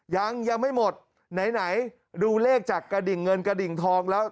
ยังยังไม่หมดไหนไหนดูเลขจากกระดิ่งเงินกระดิ่งทองแล้ว